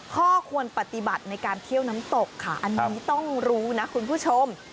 ข้อควรปฏิบัติในการเที่ยวน้ำตกค่ะอันนี้ต้องรู้นะคุณผู้ชม